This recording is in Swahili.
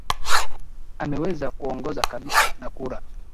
ameweza kuongoza kabisa na kura